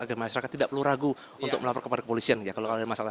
agar masyarakat tidak perlu ragu untuk melapor kepada kepolisian ya kalau ada masalah